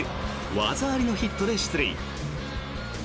技ありのヒットで出塁。